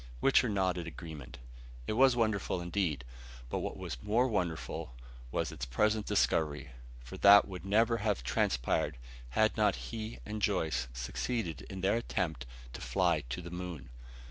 Wichter nodded agreement. It was indeed wonderful. But what was more wonderful was its present discovery: for that would never have transpired had not he and Joyce succeeded in their attempt to fly to the moon.